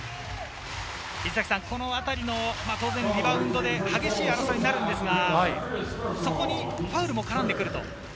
このあたりのリバウンドで激しい争いになるんですが、そこにファウルも絡んでくると。